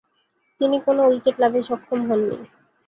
তিনি কোন উইকেট লাভে সক্ষম হননি।